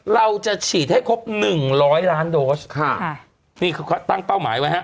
เราจะฉีดให้ครบหนึ่งร้อยล้านโดสค่ะค่ะนี่คือเขาตั้งเป้าหมายไว้ฮะ